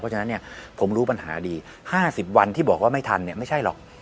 เพราะฉะนั้นผมรู้ปัญหาดี๕๐วันที่บอกว่าไม่ทันเนี่ยไม่ใช่หรอก